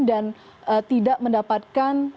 dan tidak mendapatkan